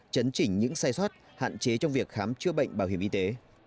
chấn chỉnh những sai sót hạn chế trong việc khám chữa bệnh bảo hiểm y tế